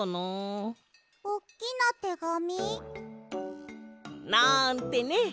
おっきなてがみ？なんてね！